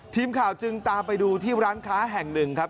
ทีมข่าวจึงตามไปดูที่ร้านค้าแห่งหนึ่งครับ